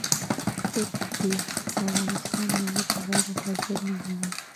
څوک دې د افغانستان ملت غير حاضر نه بولي.